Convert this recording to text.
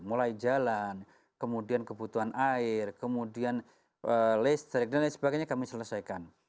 mulai jalan kemudian kebutuhan air kemudian listrik dan lain sebagainya kami selesaikan